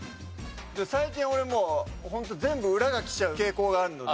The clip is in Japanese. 最近俺もうホント全部裏が来ちゃう傾向があるので。